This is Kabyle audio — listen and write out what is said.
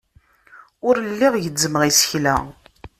Ur lliɣ gezzmeɣ isekla.